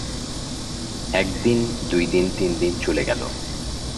এক দিন দুই দিন তিনদিন চলে গেল।